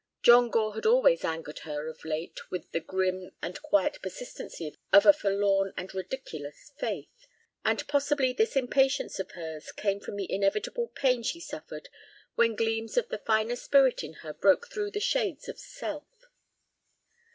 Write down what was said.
John Gore had always angered her of late with the grim and quiet persistency of a forlorn and ridiculous faith. And possibly this impatience of hers came from the inevitable pain she suffered when gleams of the finer spirit in her broke through the shades of self.